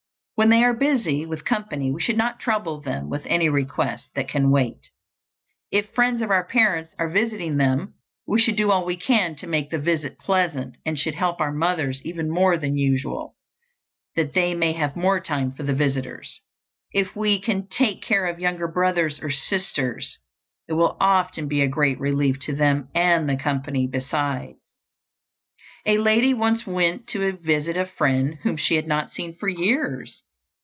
When they are busy with company we should not trouble them with any request that can wait. If friends of our parents are visiting them, we should do all we can to make the visit pleasant, and should help our mothers even more than usual, that they may have more time for the visitors. If we can take care of younger brothers or sisters, it will often be a great relief to them and the company besides. A lady once went to visit a friend whom she had not seen for years.